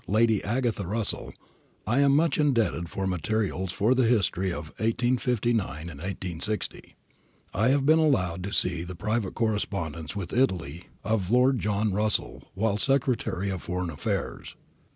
Lady Agatha Russell, I am much indebted for materials for the history of 1859 60, I have been allowed to see the private correspondence with Italy of Lord John Russell while Secretary for P'oreign Affairs.